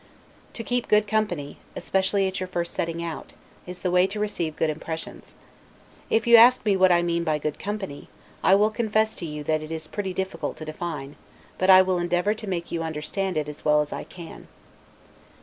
To keep good company, especially at your first setting out, is the way to receive good impressions. If you ask me what I mean by good company, I will confess to you that it is pretty difficult to define; but I will endeavor to make you understand it as well as I can.